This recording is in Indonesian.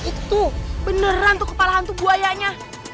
itu beneran tuh kepala hantu buayaannya